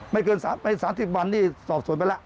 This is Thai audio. ไม่เกิน๓๐วันสอบสวนไปนแหละ